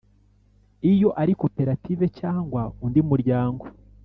iyo ari koperative cyangwa undi muryango